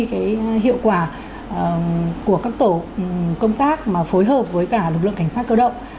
cái hiệu quả của các tổ công tác mà phối hợp với cả lực lượng cảnh sát cơ động